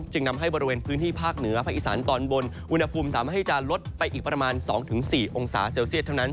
นำให้บริเวณพื้นที่ภาคเหนือภาคอีสานตอนบนอุณหภูมิสามารถให้จะลดไปอีกประมาณ๒๔องศาเซลเซียตเท่านั้น